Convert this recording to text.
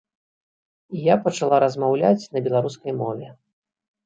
І я пачала размаўляць на беларускай мове.